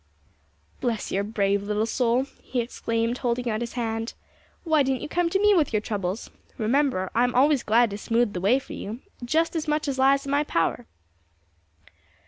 "Bless your brave little soul!" he exclaimed, holding out his hand. "Why didn't you come to me with your troubles? Remember I am always glad to smooth the way for you, just as much as lies in my power."